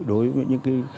đối với những cái